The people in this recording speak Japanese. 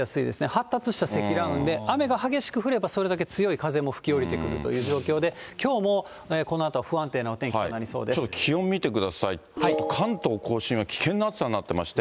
発達した積乱雲で、雨が激しく降れば、それだけ強い風も吹き下りてくるという状況で、きょうも、このあとは不安定なお天気となりちょっと気温見てください、ちょっと関東甲信は危険な暑さになってまして。